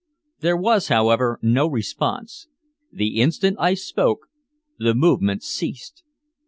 There was, however, no response. The instant I spoke the movement ceased.